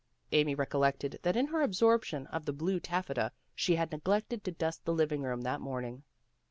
Amy recollected that in her absorption with the blue taffeta she had neglected to dust the living room that morning.